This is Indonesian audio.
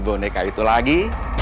boneka itu lagi